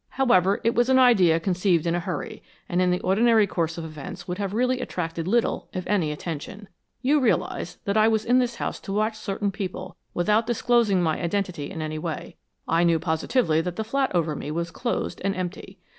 However, it was an idea conceived in a hurry, and in the ordinary course of events would have really attracted little, if any, attention. You realize that I was in this house to watch certain people without disclosing my identity in any way. I knew positively that the flat over me was closed and empty.